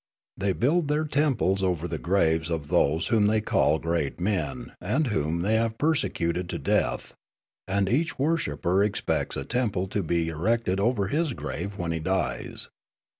They build their temples over the graves of those whom they call great men and whom they have persecuted to death, and each worshipper expects a temple to be erected over his grave when he dies.